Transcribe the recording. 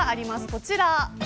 こちら。